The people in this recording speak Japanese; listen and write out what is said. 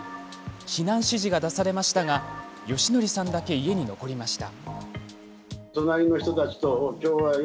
避難指示が出されましたが芳徳さんだけ家に残りました。